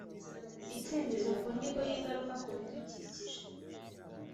Icyemezo ku nyigo y ingaruka ku bidukikije